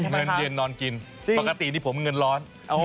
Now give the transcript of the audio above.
เงินเดือนนอนกินปกตินี่ผมเงินร้อน